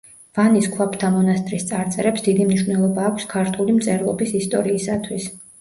ვანის ქვაბთა მონასტრის წარწერებს დიდი მნიშვნელობა აქვს ქართული მწერლობის ისტორიისათვის.